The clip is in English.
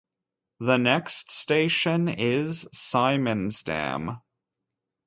The next station is Siemensdamm.